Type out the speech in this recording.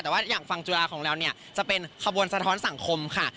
แต่ว่าอย่างฟังจุฬาของเราเนี่ยจะเป็นขบวนสะท้อนสังคมค่ะ